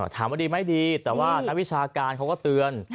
ถามว่าดีไหมดีแต่ว่านักวิชาการเขาก็เตือน